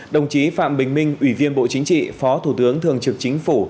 đồng chí phạm bình minh ủy viên bộ chính trị phó thủ tướng thường trực chính phủ